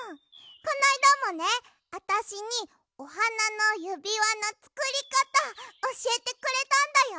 このあいだもねあたしにおはなのゆびわのつくりかたおしえてくれたんだよ。